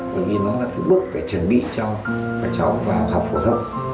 bởi vì nó là cái bước để chuẩn bị cho các cháu vào học phổ thông